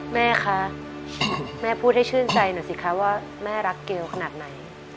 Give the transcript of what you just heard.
แม่คะแม่พูดให้ชื่นใจหน่อยสิคะว่าแม่รักเกลขนาดไหน